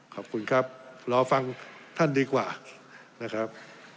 ขอบคุณครับรอฟังท่านดีกว่านะครับ